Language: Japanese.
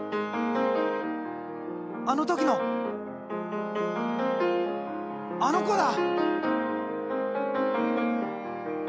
あの時のあの子だ！